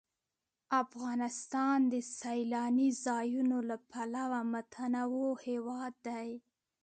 افغانستان د سیلاني ځایونو له پلوه متنوع هېواد دی.